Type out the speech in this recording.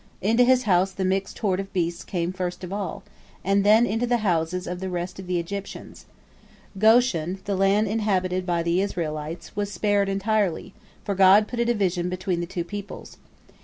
Into his house the mixed horde of beasts came first of all, and then into the houses of the rest of the Egyptians. Goshen, the land inhabited by the Israelites, was spared entirely, for God put a division between the two peoples.